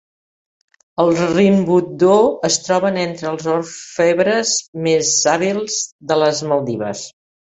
Els rinbudhoo es troben entre els orfebres més hàbils de les Maldives.